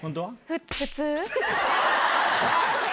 普通。